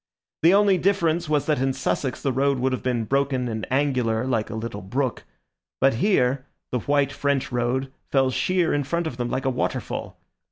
The only difference was that in Sussex the road would have been broken and angular like a little brook, but here the white French road fell sheer in front of them like a waterfall.